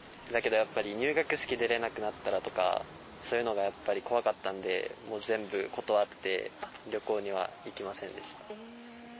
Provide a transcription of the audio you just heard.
だけどやっぱり、入学式出れなくなったりとか、そういうのがやっぱり怖かったんで、もう全部断って、旅行には行きませんでした。